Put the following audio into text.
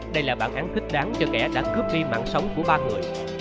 đây là bản án thích đáng cho kẻ đã cướp đi mạng sống của ba người